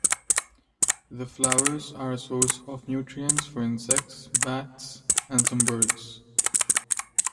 The flowers are a source of nutrients for insects, bats, and some birds.